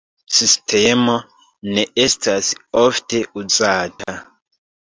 Sistemo ne estas ofte uzata.